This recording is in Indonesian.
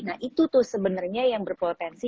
nah itu tuh sebenarnya yang berpotensi